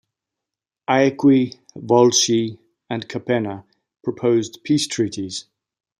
Aequi, Volsci, and Capena proposed peace treaties.